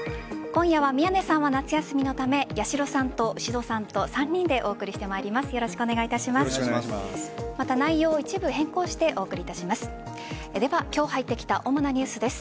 今夜は宮根さんが夏休みのため八代さんと石戸さんと３人でお伝えしてまいります。